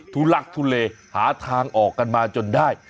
ทุลักทุเลหาทางออกกันมาจนได้